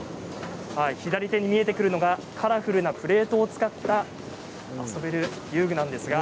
左手に見えてくるのがカラフルなプレートを使った遊べる遊具です。